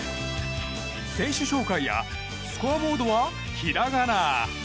選手紹介やスコアボードはひらがな。